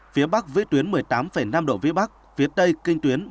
phía bắc vĩ tuyến một mươi tám năm độ vĩ bắc phía tây kinh tuyến